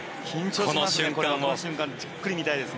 この瞬間をじっくり見たいですね。